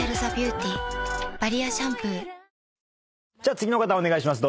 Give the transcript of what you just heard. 次の方お願いします。